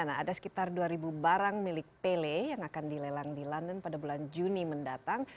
nah ada sekitar dua barang milik pele yang akan dilelang di london pada bulan juni mendatang